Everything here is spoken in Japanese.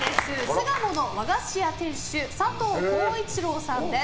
巣鴨の和菓子屋店主佐藤晃一郎さんです。